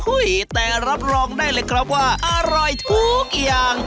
แต่รับรองได้เลยครับว่าอร่อยทุกอย่าง